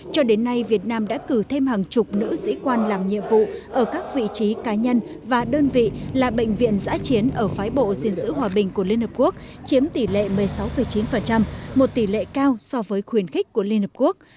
cho đến nay việt nam đã cử thêm hàng chục nữ sĩ quan làm nhiệm vụ ở các vị trí cá nhân và đơn vị là bệnh viện giã chiến ở phái bộ gìn giữ hòa bình của liên hợp quốc chiếm tỷ lệ một mươi sáu chín một tỷ lệ cao so với khuyến khích của liên hợp quốc